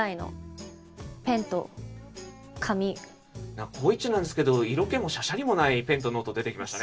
今日はこう言っちゃなんですけど色気もしゃしゃりもないペンとノート出てきましたね。